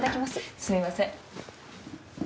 すみません。